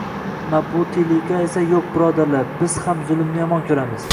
Mabutiliklar esa “yo‘q, birodarlar, biz ham zulmni yomon ko‘ramiz